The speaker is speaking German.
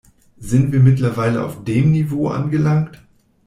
Sind wir mittlerweile auf dem Niveau angelangt?